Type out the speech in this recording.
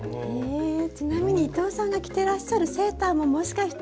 ちなみに伊藤さんが着ていらっしゃるセーターももしかして。